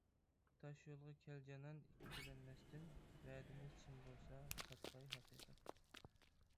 تاشيولغا كەل جانان ئىككىلەنمەستىن، ۋەدىمىز چىن بولسا تاپقاي ھەقىقەت.